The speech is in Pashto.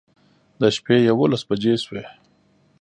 د شپې يوولس بجې شوې